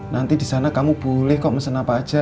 nanti disana kamu boleh kok mesen apa aja